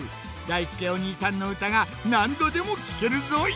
だいすけお兄さんのうたがなんどでもきけるぞい！